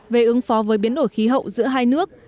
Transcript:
về ứng phó với biến đổi khí hậu giữa hai nước